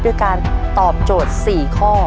ด้วยการตอบโจทย์๔ข้อ